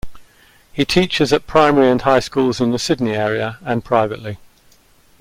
He teaches at Primary and High Schools in the Sydney area and privately.